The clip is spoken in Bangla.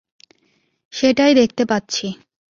সেটাই দেখতে পাচ্ছি।